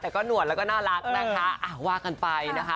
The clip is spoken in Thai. แต่ก็หนวดแล้วก็น่ารักนะคะว่ากันไปนะคะ